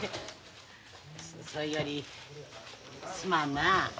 そいよりすまんなあ。